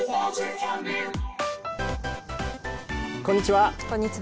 こんにちは。